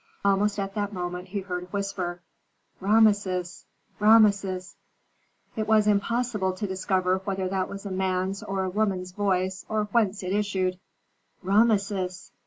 Almost at that moment he heard a whisper, "Rameses! Rameses!" It was impossible to discover whether that was a man's or a woman's voice, or whence it issued. "Rameses!